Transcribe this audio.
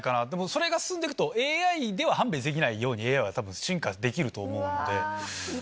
それが進んでいくと、ＡＩでは判別できないように、ＡＩはたぶん、進化できると思うので。